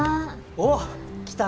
おっ来たな。